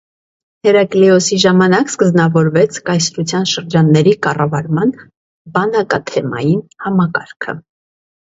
Հերակլիոսի ժամանակ սկզբնավորվեց կայսրության շրջանների կառավարման բանակաթեմային համակարգը։